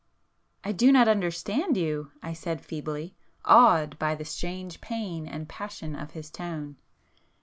"I do not understand you—" I said feebly, awed by the strange pain and passion of his tone.